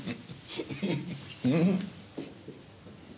うん？